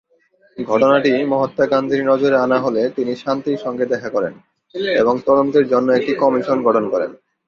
ঘটনাটি মহাত্মা গান্ধীর নজরে আনা হলে তিনি শান্তির সঙ্গে দেখা করেন এবং তদন্তের জন্য একটি কমিশন গঠন করেন।